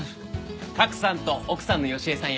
賀来さんと奥さんの好恵さんや。